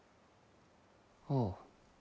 ああ。